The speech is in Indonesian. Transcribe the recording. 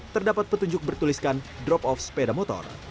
terdapat petunjuk bertuliskan drop off sepeda motor